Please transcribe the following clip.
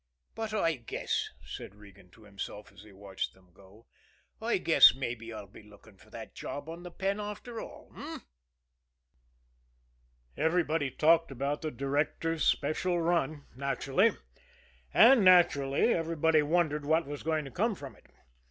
"But I guess," said Regan to himself, as he watched them go, "I guess mabbe I'll be looking for that job on the Penn after all h'm?" Everybody talked about the Directors' Special run naturally. And, naturally, everybody wondered what was going to come from it.